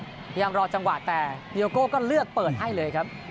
พยายามรอจังหวะแต่ดีโอโก้ก็เลือกเปิดให้เลยครับ